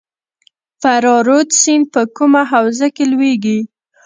فرا رود سیند په کومه حوزه کې لویږي؟